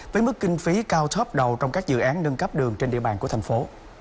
với mức kinh phí cao top đầu trong các dự án nâng cấp đường trên địa bàn của thành phố